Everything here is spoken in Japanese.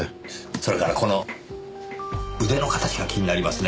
それからこの腕の形が気になりますね。